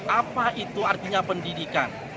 apa itu artinya pendidikan